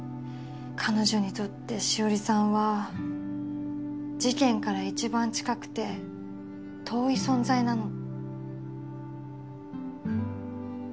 彼女にとって紫織さんは事件から一番近くて遠い存在なの。